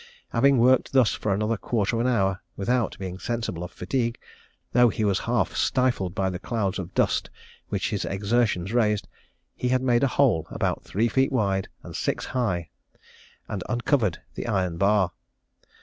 Having worked thus for another quarter of an hour, without being sensible of fatigue, though he was half stifled by the clouds of dust which his exertions raised, he had made a hole about three feet wide and six high, and uncovered the iron bar.